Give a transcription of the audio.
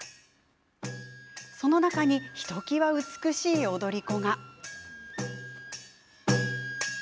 その中にひときわ美しい踊り子が。